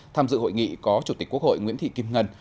tham dự hội nghị có chủ tịch quốc hội nguyễn thị kim ngân